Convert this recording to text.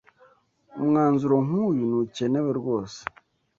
Umwanzuro nk’uyu ntukenewe rwose